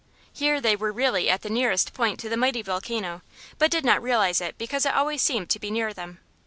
Here they were really at the nearest point to the mighty volcano, but did not realize it because it always seemed to be near them.